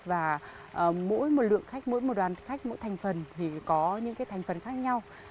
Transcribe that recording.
và mỗi một lượng khách mỗi một đoàn khách mỗi thành phần thì có những thành phần khác nhau